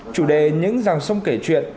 chủ đề những ràng sông kể chuyện